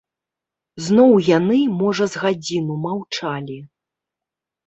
Зноў яны, можа, з гадзіну маўчалі.